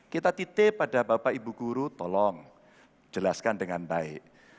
kita titip pada bapak ibu guru tolong jelaskan dengan baik